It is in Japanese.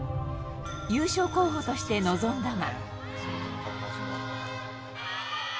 優勝候補として臨んだが。